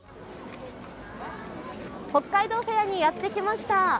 北海道フェアにやってきました。